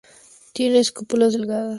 Tiene estípulas delgadas.